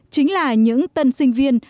chính là những tân sinh viên